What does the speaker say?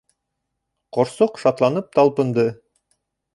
Ҡошсоҡ шатланып талпынды.